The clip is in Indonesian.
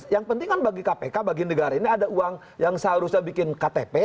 yang penting kan bagi kpk bagi negara ini ada uang yang seharusnya bikin ktp